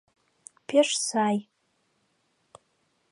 — Пеш сай.